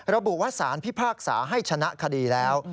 ระบุว่าสารพิพากษาให้ชนะคดีแล้ว